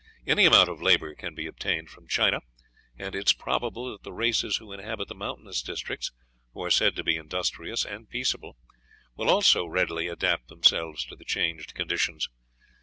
Any amount of labor can be obtained from China, and it is probable that the races who inhabit the mountainous districts, who are said to be industrious and peaceable, will also readily adapt themselves to the changed conditions.